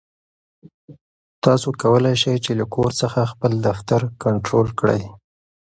تاسو کولای شئ چې له کور څخه خپل دفتر کنټرول کړئ.